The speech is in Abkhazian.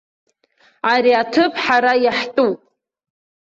Ари аҭыԥ ҳара иаҳтәуп.